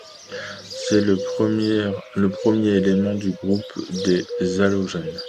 C'est le premier élément du groupe des halogènes.